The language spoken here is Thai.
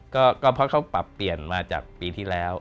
ก็เพราะเขาปรับเปลี่ยนมาจากปีที่แล้ว